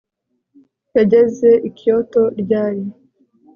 Yageze i Kyoto ryari